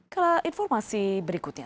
kalau informasi berikutnya